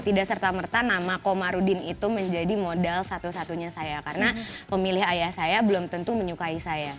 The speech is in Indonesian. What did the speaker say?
tidak serta merta nama komarudin itu menjadi modal satu satunya saya karena pemilih ayah saya belum tentu menyukai saya